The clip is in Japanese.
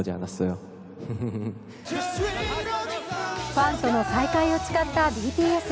ファンとの再会を誓ったＢＴＳ。